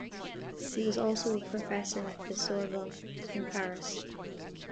He also was a professor at the Sorbonne in Paris.